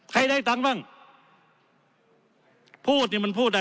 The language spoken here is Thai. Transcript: ได้ตังค์บ้างพูดนี่มันพูดได้